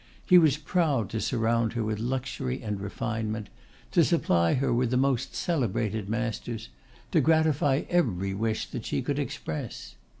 He was proud to surround her with luxury and refinement; to supply her with the most celebrated masters; to gratify every wish that she could express.